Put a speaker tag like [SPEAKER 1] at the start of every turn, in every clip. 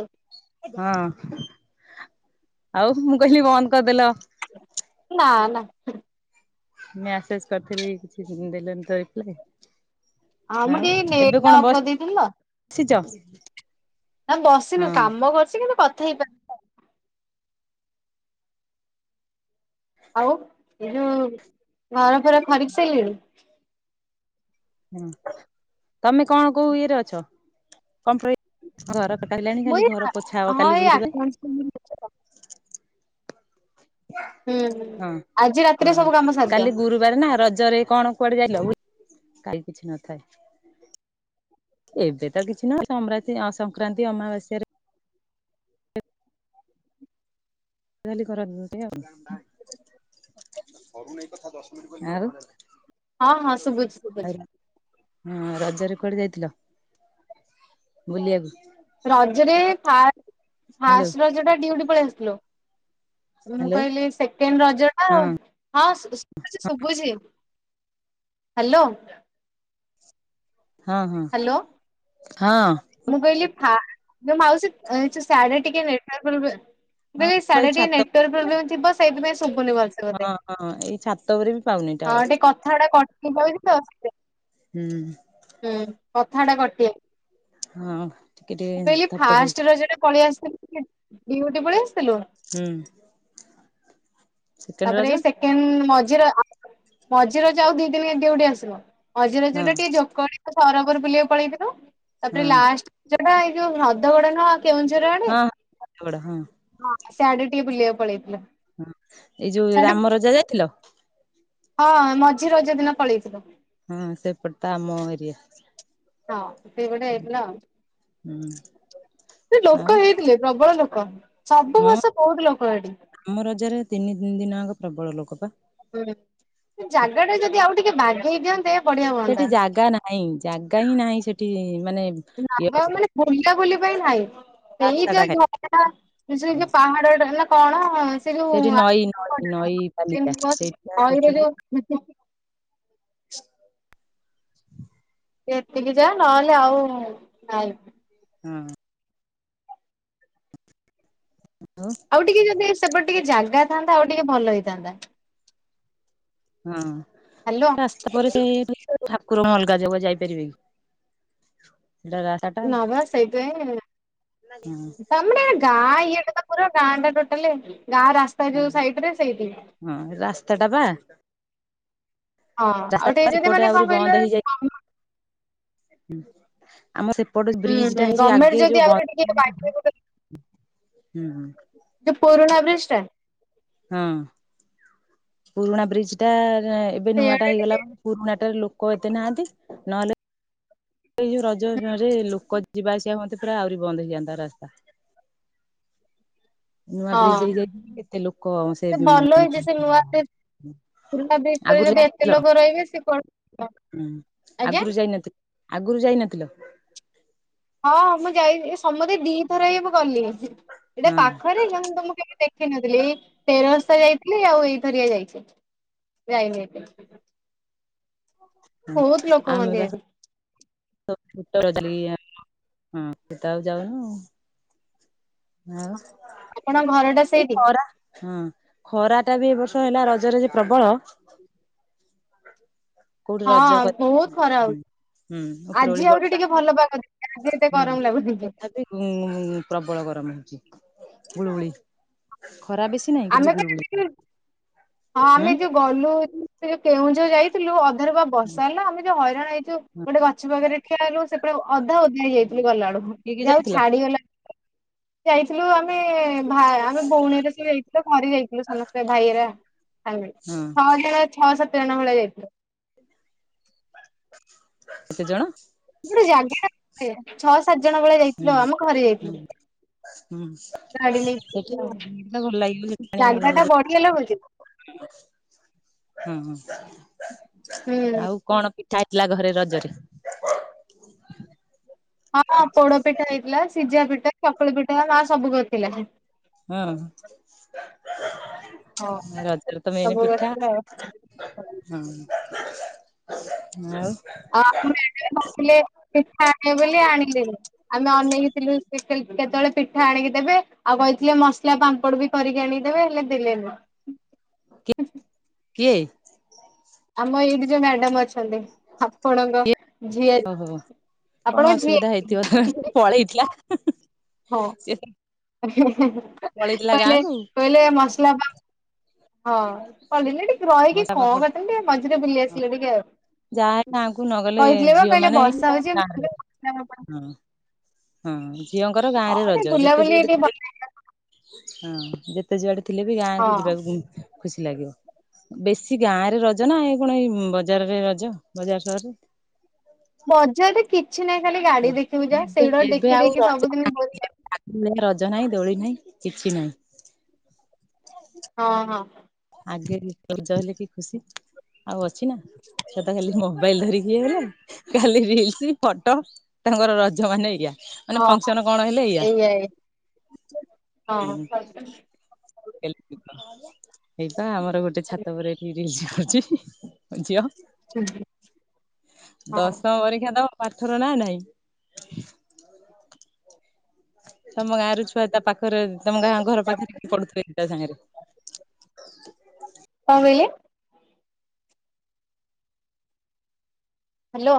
[SPEAKER 1] ହ
[SPEAKER 2] ହଁ ଆଉ ମୁଁ କହିଲି ବନ୍ଦ କରିଦେଲ।
[SPEAKER 1] ନା ନା।
[SPEAKER 2] ମେସେଜ କରିଥିଲି କିଛି ଦେଲେନି ତ ରିପ୍ଲାଇ।
[SPEAKER 1] ଆ ମୁଁ ଟିକେ ନେଟ ଟା ଅଫ କରିଦେଇଥିଲ
[SPEAKER 2] ବସିଛ?
[SPEAKER 1] ତ ନା ବସିନୁ
[SPEAKER 2] ହଁ
[SPEAKER 1] କାମ କରୁଛି କିନ୍ତୁ କଥା ହେଇପା ଆଉ ଏଇ ଯୋଉ ଘର ଫର ଖରିକି ସାରିଲିଣି?
[SPEAKER 2] ହୁଁ ତମେ କଣ କୋଉ ଇଏରେ ଅଛ କଣ ଘର ପକ ହେଲାଣି ଖାଲି ଘର ପୋଛା ହବ କାଲି ଗୁରୁବାରେ
[SPEAKER 1] ମୁ ହୁଁ
[SPEAKER 2] ହଁ
[SPEAKER 1] ଆଜି ରାତିରେ
[SPEAKER 2] ହଁ
[SPEAKER 1] ସବୁ କାମ ସାରିଦିଅ
[SPEAKER 2] କାଲି ଗୁରୁ ନା ରଜରେ କଣ କୁଆଡେ ଯାଇଲ କାଇ କିଛି ନଥାଏ। ଏବେ ତ କିଛି ନଁ ଅସଂକ୍ରାନ୍ତି ଅମାବାସ୍ୟାରେ କାଲି କର ଦିଅ ଆଉଉ
[SPEAKER 1] ହଁ ହଁ ଶୁଭୁଛି ଶୁଭୁଛି।
[SPEAKER 2] ହଁ ରଜରେ କୁଆଡେ ଯାଇଥିଲ ବୁଲିବାକୁ।
[SPEAKER 1] ରଜରେ ଫା
[SPEAKER 2] ହ୍ୟାଲୋ
[SPEAKER 1] ଫାଷ୍ଟ ରଜ ଟା ଡିଉଟି ପଳେଇ ଆସିଥିଲୁ। ମୁଁ
[SPEAKER 2] ହ୍ୟାଲୋ
[SPEAKER 1] କହିଲି ସେକେଣ୍ଡ ରଜ ଟା
[SPEAKER 2] ହଁ
[SPEAKER 1] ହଁ। ଶୁଭୁଛି ହ୍ୟାଲୋ।
[SPEAKER 2] ହଁ ହଁ
[SPEAKER 1] ହ୍ୟାଲୋ
[SPEAKER 2] ହଁ।
[SPEAKER 1] ମୁଁ କହିଲି ଫା ମାଉସି ସାଢେ ଟିକେ ନେଟୱା ପୋବ୍ଲେ
[SPEAKER 2] ହଁ
[SPEAKER 1] ସି
[SPEAKER 2] ଭାଇ
[SPEAKER 1] ଆଢେ ଟିକେ
[SPEAKER 2] ଛାତ
[SPEAKER 1] ନେଟୱାର୍କ ପ୍ରୋବ୍ଲେ ଥିବ ସେଇଥିାଇଁଶୁଭୁନି ଭସେ
[SPEAKER 2] ହଁ ହଁଁ ଏଇ ଛାତ ଉପରେ ବି ପାଉନି
[SPEAKER 1] ହଁ
[SPEAKER 2] ଟାୱର।
[SPEAKER 1] [unintelligible]
[SPEAKER 2] ହୁଁ ହୁଁ।
[SPEAKER 1] ହୁଁ କଥା ଟା କଟିଏ
[SPEAKER 2] ହଁ ଟିକେ ଟିକେ
[SPEAKER 1] ମୁଁ କହିଲ
[SPEAKER 2] ଧପ ଧପ ହଉଛି
[SPEAKER 1] ଫାଷ୍ଟ ରଜ ପଳେଇ ଆସିଥିଲ ଡିୟୁଟି ପଳେଇ ଆସିଥିଲୁ।
[SPEAKER 2] ହୁଁ। ସେକେଣ୍ଡ
[SPEAKER 1] ତାପରେ
[SPEAKER 2] ରଜ
[SPEAKER 1] ଏଇ ସେକେଣ୍ଡ ମଝିରେ ମଝି ରଜ ଆଉ ଦି ଦିନି ଡିୟୁଟି ଆସିନୁ। ମଜି ରଜ
[SPEAKER 2] ହଁ
[SPEAKER 1] ରେ ଟିକେ ଯୋକଳି ସରବର ବୁଲିବାକୁ ପଳେଇଥିଲୁ ତାପରେ
[SPEAKER 2] ହଁ
[SPEAKER 1] ଲାଷ୍ଟ ଯୋଉଟା ଏଇ ଯୋଉ ହ୍ରଦଗୁଡ଼ା ନୁହଁ କେଉଁଝର ଆଡେ
[SPEAKER 2] [unintelligible] ହଁ
[SPEAKER 1] ହଁ ସେଆଡକୁ ଟିକେ ବୁଲିବାକୁ ପଳେଇଥିଲୁ।
[SPEAKER 2] ହଁ ଏଇ ଯୋଉ
[SPEAKER 1] ସିଆଡେ
[SPEAKER 2] ରାମ ରଜା ଯାଇଥିଲ।
[SPEAKER 1] ହଁ ମଝି ରଜ ଦିନ ପଳେଇଥିଲୁ।
[SPEAKER 2] ହଁ ସେପଟେ ତ ଆମ ଏରିଆ।
[SPEAKER 1] ହଁ ସେପଟେ ହେଇଥିଲା
[SPEAKER 2] ହୁଁ
[SPEAKER 1] ଆଉ
[SPEAKER 2] ଆଉ
[SPEAKER 1] ଲୋକ ହେଇ ଥିଲେ ପ୍ରବଳ ଲୋକ ସବୁ
[SPEAKER 2] ହଁ
[SPEAKER 1] ବର୍ଷ ବୋହୁତ ଲୋକ ହେ଼ଟି।
[SPEAKER 2] ଆମ ରଜରେ ତିନି ତିନି ଦିନ ଆଗ ପ୍ରବଳ ଲୋକ ପା।
[SPEAKER 1] ହୁଁ ଏ ଜାଗା ଟା ଯଦି ଆଉ ଟିକେ ବାଗେଇ ଦିଅନ୍ତେ। ବଢିଆ ହୁଅନ୍ତା।
[SPEAKER 2] ସେଠି ଜାଗା ନାହିଁ ଜାଗା ହିଁ ନାହିଁ ସେଠି ମାନେ ଇଏ
[SPEAKER 1] ନାହିଁ
[SPEAKER 2] ହବ
[SPEAKER 1] ଆଉ ମାନେ ବୁଲା ବୁଲି ପାଇଁ ନାହିଁ। ସେଇ
[SPEAKER 2] ରାସ୍ତା ଟା ଖାଲି
[SPEAKER 1] ଯୋଉ ଝରଣା ସେ
[SPEAKER 2] ହଁ
[SPEAKER 1] ଯୋଉ ପାହାଡ ଟା ନା କଣ ସେ ଯୋଉ
[SPEAKER 2] ସେଠି ନଈ ନଈ ନଈ ବାଲିଟା ସେଇଟା କରୁଛନ୍ତି
[SPEAKER 1] [unintelligible] ଏତିକି ଯା ନହେଲେ ଆଉ ନାଇଁ।
[SPEAKER 2] ହଁ। ହାଲୋ।
[SPEAKER 1] ଆଉ ଟିକେ ଯଦି ସେପଟେ ଟିକେ ଜାଗା ଥାନ୍ତା ଆଉ ଟିକେ ଭଲ ହେଇଥାନ୍ତା। ହାଲୋ
[SPEAKER 2] ହଁ ଆସ ତାପରେ ସେଇ ଠାକୁରଙ୍କ ଅଲଗା ଜାଗା ଆଉ ଯାଇପାରିବେ କି ସେଟା ରା
[SPEAKER 1] ନା ବା ସେଇଥିପାଇଁ
[SPEAKER 2] ହଁ।
[SPEAKER 1] ତମର ଗାଁ ଇଏଟା ତ ପୁରା ଗାଁ ଟା ଟୋଟାଲ ଗାଁ ରାସ୍ତା ଯୋଉ ସାଇଟ ରେ ସେଇଠି।
[SPEAKER 2] ହଁ ରାସ୍ତାଟା ପା।
[SPEAKER 1] ହଁ ଆଉ ଟିକେ ଯଦି
[SPEAKER 2] ସେପଟେ
[SPEAKER 1] ମାନେ
[SPEAKER 2] ଆହୁରି
[SPEAKER 1] କଣ
[SPEAKER 2] ବନ୍ଦ ହେଇଯାଇ
[SPEAKER 1] କହିଲେ
[SPEAKER 2] ଆମ ସେପଟେ
[SPEAKER 1] ହୁଁ
[SPEAKER 2] ବ୍ରିଜ୍
[SPEAKER 1] ହୁଁ
[SPEAKER 2] ଟା ହେଇଚି
[SPEAKER 1] ଗଭର୍ଣ୍ଣମେଣ୍ଟ
[SPEAKER 2] ଆଗେ ଯୋଉ
[SPEAKER 1] ଯଦି
[SPEAKER 2] ବ
[SPEAKER 1] ଆହୁରି ଟିକେ ବାଗେଇ ଗୋଟେ ଯୋଉ ପୁରୁଣା ବ୍ରିଜ୍ ଟା।
[SPEAKER 2] ହଁ। ପୁରୁଣା ବ୍ରିଜ୍ ଟା ଏବେ ନୂଆ ଟା
[SPEAKER 1] ସେଇଆଡେ
[SPEAKER 2] ହେଇଗଲା
[SPEAKER 1] ଟିକେ
[SPEAKER 2] ପୁରୁଣାଟା ରେ ଲୋକ ଏତେ ନାହାନ୍ତି ନହେଲେ ଏଇ ଯୋଉ ରଜ ସମୟରେ ଲୋକ ଯିବା ଆସିବା ହୁଅନ୍ତେ ପୁରା ଆହୁରି ବନ୍ଦ ହେଇଯାନ୍ତା ରାସ୍ତା। ନୂଆ ବ୍ରିଜ୍
[SPEAKER 1] ହଁ
[SPEAKER 2] ହେଇଯାଇଛି କେତେ ଲୋକ ସେ
[SPEAKER 1] ଭଲ ହେଇଛି ସେ ନୂଆ ବ୍ରିଜ ପୁରୁଣା ବ୍ରିଜ ରେ
[SPEAKER 2] ଆଗୁରୁ
[SPEAKER 1] ଯଦି ଏତେ
[SPEAKER 2] ଯାଇନଥିଲ
[SPEAKER 1] ଲୋକ ରହିବେ ସେ କଣ
[SPEAKER 2] ହଁ
[SPEAKER 1] ଆଜ୍ଞା
[SPEAKER 2] ଆଗୁରୁ ଯାଇନଥିଲ? ଆଗୁରୁ ଯାଇନଥିଲ?
[SPEAKER 1] ହଁ ମୁଁ ଯାଇଚି ଏ ସମୁଦାୟୀ ଦିଥର ହେଇ ମୁଁ ଗଲି ଏଇଟା
[SPEAKER 2] ହଁ
[SPEAKER 1] ପାଖରେ କିନ୍ତୁ ମୁଁ କେବେ ଦେଖ ଦେଖିନଥିଲି [inaudible] ଯାଇଥିଲି ଆଉ ଏଇଥରିଆ ଯାଇଛି ଯାଇନି ଏତେ।
[SPEAKER 2] ହଁ
[SPEAKER 1] ବହୁତ ଲୋକ
[SPEAKER 2] ଆମେ
[SPEAKER 1] ହୁଅନ୍ତି
[SPEAKER 2] ବା
[SPEAKER 1] ଏଠି।
[SPEAKER 2] [unintelligible] ହଁ ସେ ତ ଆଉ ଯାଉନୁ।
[SPEAKER 1] ଆପଣଙ୍କ
[SPEAKER 2] ଆଉ
[SPEAKER 1] ଘର ଟା
[SPEAKER 2] ଏଇ
[SPEAKER 1] ସେଇଠି?
[SPEAKER 2] ଖରା ହଁ ଖରା ଟା ବି ଏ ବର୍ଷ ହେଲା ରଜରେ ଯେ ପ୍ରବଳ। କୋଉଠି ରଜ
[SPEAKER 1] ହଁ
[SPEAKER 2] କରି
[SPEAKER 1] ବହୁତ୍ ଖରା
[SPEAKER 2] ହୁଁ
[SPEAKER 1] ହଉଚି।
[SPEAKER 2] ହୁଁ ଉପରଓଳି
[SPEAKER 1] ଆଜି ଆହୁରି
[SPEAKER 2] ବର୍ଷା
[SPEAKER 1] ଟିକେ ଭଲ ପାଗ [inaudible] ଆଜି ଏତେ ଗରମ ଲାଗୁନି
[SPEAKER 2] ତଥାପି ହୁଁ ଉଁ ପ୍ରବଳ ଗରମ ହଉଚି ଗୁଳୁଗୁଳି ଖରା ବି
[SPEAKER 1] ଆମେ ତ [inaudible] ହଁ
[SPEAKER 2] ହୁଁ
[SPEAKER 1] ଆମେ ଯୋଉ ଗଲୁ ଏ ଯୋଉ କେଉଁଝର ଯାଇଥିଲୁ ଅଧାରୁ ବା ବର୍ଷା ହେଲା ଆମେ ଯୋଉ ହଇରାଣ ହେଇଚୁ ଗୋଟେ ଗ ଗଛ ପାଖରେ ଠିଆ ହେଲୁ ସେ ପୁରା ଅଧା ଓଦା ହେଇଯାଇଥିଲୁ ଗଲା ବେଳକୁ
[SPEAKER 2] କିଏ କିଏ
[SPEAKER 1] ଯାହାହଉ
[SPEAKER 2] ଯାଇଥିଲ?
[SPEAKER 1] ଛାଡ଼ିଗଲା। ଯାଇଥିଲୁ ଆମେ ଭା ଆମେ ଭଉଣୀର ସିଏ ଯାଇ ଥିଲୁ ଘରେ ଯାଇଥିଲୁ ସମସ୍ତେ ଭାଇହେରିଆ ଆମେ
[SPEAKER 2] ହଁ
[SPEAKER 1] ଛଅ ଜଣ ଛଅ ସାତ ଜଣ ଭଳିଆ ଯାଇଥିଲୁ।
[SPEAKER 2] କେତେ ଜଣ?
[SPEAKER 1] ଗୋଟେ ଜାଗା ଛଅ ସାତ ଜଣ ଭଳିଆ
[SPEAKER 2] ହଁ
[SPEAKER 1] ଯାଇଥିଲୁ ଆମ ଘରେ
[SPEAKER 2] ହଁ
[SPEAKER 1] ଯାଇଥିଲୁ।
[SPEAKER 2] ହୁଁ
[SPEAKER 1] ଗାଡି ନେଇକି
[SPEAKER 2] ସେଠି ଭଲ ଲାଗିଲା
[SPEAKER 1] ଜାଗା ଟା ବଢିଗଲା ବୁଝି
[SPEAKER 2] [unintelligible] ହଁ ହଁ।
[SPEAKER 1] ହୁଁ।
[SPEAKER 2] ଆଉ କଣ ପିଠା ହେଇଥିଲା ଘରେ ରଜରେ?
[SPEAKER 1] ହଁ ପୋଡ ପିଠା ହେଇଥିଲା ସିଝା ପିଠା ଚକୁଳି ପିଠା ମା ସବୁ କରିଥିଲା ସେ।
[SPEAKER 2] ହଁ ରଜରେ ତ ମେନ୍
[SPEAKER 1] ସବୁ
[SPEAKER 2] ପିଠା।
[SPEAKER 1] କରିଥିଲା ଆଉ
[SPEAKER 2] ଆଉ।
[SPEAKER 1] ଆଁ ମ୍ୟାଡାମ କହୁଥିଲେ ପିଠା ଆଣିବେ ବୋଲି ଆଣିଲେନି। ଆମେ ଅନେଇକିଥିଲୁ ସେ କେ କେତେବେଳେ ପିଠା ଆଣିକି ଦେବେ ଆଉ କହିଥିଲେ ମସଲା ପାମ୍ପଡ ବି କରିକି ଆଣିଦେବେ ହେଲେ ଦେଲେନି।
[SPEAKER 2] କି କିଏ?
[SPEAKER 1] ଆମ ଏଇଠି ଯୋଉ ମ୍ୟାଡାମ ଅଛନ୍ତି ଆପଣଙ୍କ
[SPEAKER 2] କିଏ
[SPEAKER 1] ଝିଆରି।
[SPEAKER 2] ଓହୋ କଣ ଅସୁବିଧା ହେଇଥିବ ସେ ପଳେଇଥିଲା।
[SPEAKER 1] ହଁ
[SPEAKER 2] ସେ ପଳେଇଥିଲା
[SPEAKER 1] କହିଲେ
[SPEAKER 2] ଗାଁକୁ
[SPEAKER 1] କହିଲେ ମସଲା ପା ହଁ ପଳିଲି ଟିକେ ରହିକି
[SPEAKER 2] ମଶା
[SPEAKER 1] କଣ
[SPEAKER 2] ପାପ
[SPEAKER 1] କରିଥାଆନ୍ତି ଟିକେ ମଝିରେ ବୁଲି ଆସିଲେ ଟିକେ ଆଉ।
[SPEAKER 2] ଯାହା ହେଲେ ଗାଁକୁ ନ ଗଲେ
[SPEAKER 1] କହିଥିଲେ ବା
[SPEAKER 2] ଝିଅ
[SPEAKER 1] କହିଲେ
[SPEAKER 2] ମାନେ ହିଁଁ
[SPEAKER 1] ବର୍ଷା ହଉଛି ହଁ ଟିକେ
[SPEAKER 2] [unintelligible] ହଁ ଝିଅଙ୍କର ଗାଁରେ ରଜ ଯେତେ
[SPEAKER 1] ବୁଲାବୁଲି
[SPEAKER 2] ଯୋଉଠି
[SPEAKER 1] ଟିକେ
[SPEAKER 2] ଥିଲେ
[SPEAKER 1] ଭଲ
[SPEAKER 2] ବି
[SPEAKER 1] ଲାଗିବ
[SPEAKER 2] ହଁ ଯେ ଯେତେ ଯୁଆଡେ ଥିଲେ ବି ଗାଁକୁ
[SPEAKER 1] ହଁ।
[SPEAKER 2] ଯିବାକୁ ଖୁସି ଲାଗିବ। ବେଶୀ ଗାଁ ରେ ରଜ ନା ଏ କଣ ଏଇ ବଜାରରେ ରଜ ବଜାର ସହରରେ।
[SPEAKER 1] ବଜାରରେ କିଛି ନାହିଁ ଖାଲି ଗାଡି ଦେଖିବୁ ଯାହା ସେଇଡାକୁ ଦେଖି ଦେଖି ସବୁଦିନ ବୋରିଂ।
[SPEAKER 2] ଆଗ ଭଳିଆ ରଜ ନାହିଁ ଦୋଳି ନାହିଁ କିଛି ନାହିଁ।
[SPEAKER 1] ହଁ ହଁ।
[SPEAKER 2] ଆଗେ ରଜ ହେଲେ କି ଖୁସି। ଆଉ ଅଛି ନା ଛୁଆ ତ ଖାଲି ମୋବାଇଲ ଧରିକି ଇଏ ହେଲେ। ଖାଲି ରିଲସ୍ ଫଟୋ ତାଙ୍କର ରଜ ମାନ ଏଇଆ। ମାନେ
[SPEAKER 1] ହଁ
[SPEAKER 2] ଫଙ୍କସନ କଣ ହେଲେ ଏଇଆ।
[SPEAKER 1] ହଁ ହୁଁ
[SPEAKER 2] ହେଇପା ଆମର ଗୋଟେ ଛାତ ଉପରେ ଏଠି ରିଲ୍ସ କରୁଛି। ଝିଅ
[SPEAKER 1] ହଁ କଣ
[SPEAKER 2] ଦଶମ ପରୀକ୍ଷା ଦବ। ପାଠର ନା ନାହିଁ। ତମ ଗାଁ ର ଛୁଆ ତା ପାଖରେ ତମ ଗାଁ ଘର ପାଖରେ କିଏ ପଢୁଥିଲେ ତା ସାଙ୍ଗରେ।
[SPEAKER 1] କଣ କହିଲେ? ହ୍ୟାଲୋ।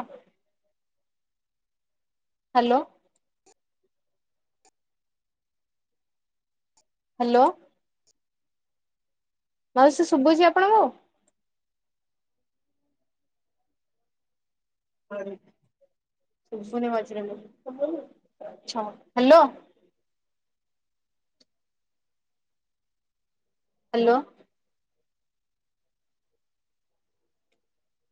[SPEAKER 1] ହ୍ୟାଲୋ। ହ୍ୟାଲୋ। ମାଉସି ଶୁଭୁଛି ଆପଣଙ୍କୁ? ହ୍ୟାଲୋ। ହ୍ୟାଲୋ।